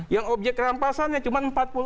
yang objek rampasannya cuma empat puluh lima